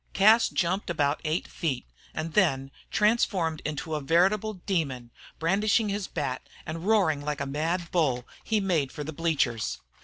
Cas jumped about eight feet, and then, transformed into a veritable demon, brandishing his bat and roaring like mad bull, he made for the bleachers.